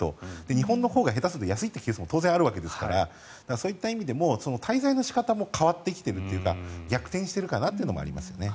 日本のほうが下手すると安いケースも当然あるわけですからそういった意味でも滞在の仕方も変わってきているというか逆転しているかなというのがありますね。